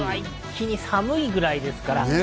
寒いぐらいですからね。